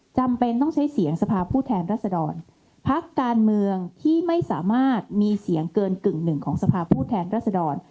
จำเป็นต้องใช้เสียงสภาพผู้แทนรัศดรพักการเมืองที่ไม่สามารถมีเสียงเกินกึ่งหนึ่งของสภาพผู้แทนรัศดร